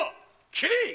斬れ！